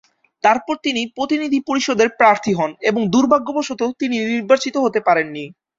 তারপর তিনি প্রতিনিধি পরিষদের প্রার্থী হন এবং দুর্ভাগ্যবশত তিনি নির্বাচিত হতে পারেননি।